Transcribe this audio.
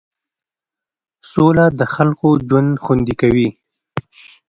سوله د خلکو ژوند خوندي کوي.